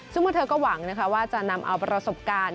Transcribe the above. ซึ่งเมื่อเธอก็หวังว่าจะนำเอาประสบการณ์